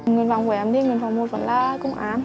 nguyên vọng của em thì nguyên vọng một vẫn là công án